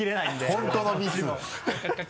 本当のミス。